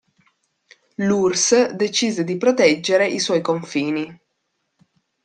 L'URSS decise di proteggere i suoi confini.